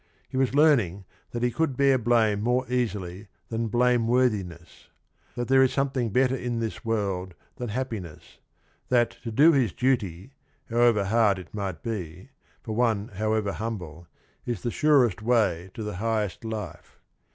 He was learning that he could bear blame more easily than blameworthiness; that there is something better in this world than happiness; that to do his duty, however hard it might be, for one howevqr humble, is the surest way to the highest life.